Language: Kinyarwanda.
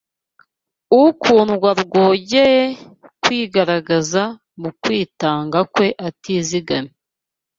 ukundwa rwongeye kwigaragaza mu kwitanga kwe atizigamye